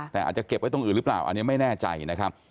แต่อาจจะเก็บไว้ตรงอื่นหรือเปล่าอันนี้ไม่แน่ใจนะครับ